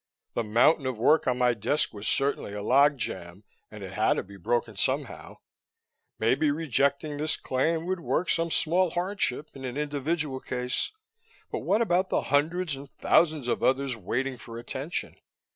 The mountain of work on my desk was certainly a log jam, and it had to be broken somehow. Maybe rejecting this claim would work some small hardship in an individual case, but what about the hundreds and thousands of others waiting for attention?